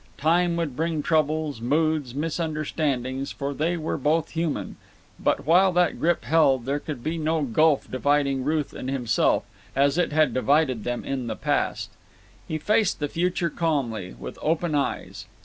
Time would bring troubles, moods, misunderstandings, for they were both human; but, while that grip held, there could be no gulf dividing Ruth and himself, as it had divided them in the past. He faced the future calmly, with open eyes.